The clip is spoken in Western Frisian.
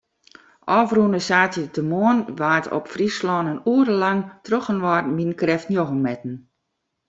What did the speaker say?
Ofrûne saterdeitemoarn waard op Flylân in oere lang trochinoar wynkrêft njoggen metten.